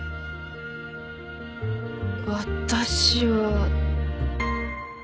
私は。